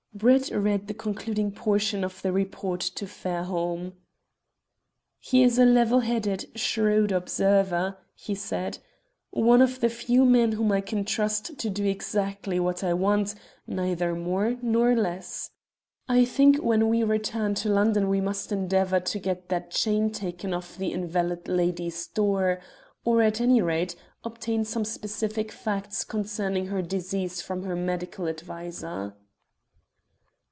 Brett read the concluding portion of the report to Fairholme. "He is a level headed, shrewd observer," he said "one of the few men whom I can trust to do exactly what I want, neither more nor less. I think when we return to London we must endeavour to get that chain taken off the invalid lady's door, or, at any rate, obtain some specific facts concerning her disease from her medical adviser."